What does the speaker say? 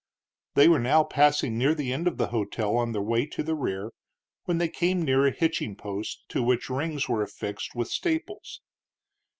They were now passing the end of the hotel on their way to the rear, when they came near a hitching post, to which rings were affixed with staples.